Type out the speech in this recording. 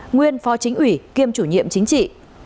nguyên phó chính ủy kiêm chủ nhiệm chính trị